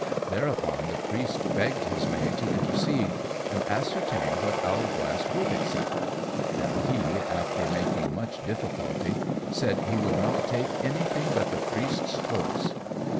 Thereupon the Priest begged his maid to intercede, and ascertain what Owlglass would accept; and he, after making much difficulty, said he would not take anything but the Priest's horse.